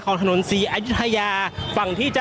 ก็น่าจะมีการเปิดทางให้รถพยาบาลเคลื่อนต่อไปนะครับ